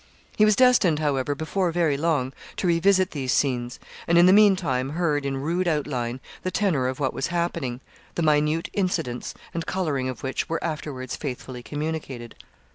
He was destined, however, before very long, to revisit these scenes; and in the meantime heard, in rude outline, the tenor of what was happening the minute incidents and colouring of which were afterwards faithfully communicated.